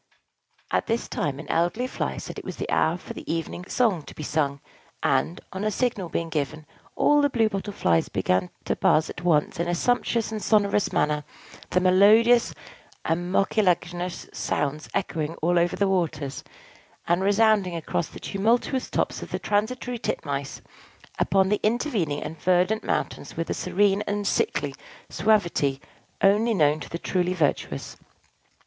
At this time, an elderly Fly said it was the hour for the evening song to be sung; and, on a signal being given, all the Blue Bottle Flies began to buzz at once in a sumptuous and sonorous manner, the melodious and mucilaginous sounds echoing all over the waters, and resounding across the tumultuous tops of the transitory titmice upon the intervening and verdant mountains with a serene and sickly suavity only known to the truly virtuous.